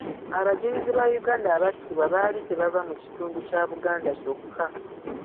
Abajulizi ba Uganda abattibwa baali tebava mu kitundu kya Buganda kyokka.